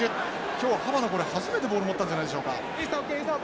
今日ハバナこれ初めてボール持ったんじゃないでしょうか。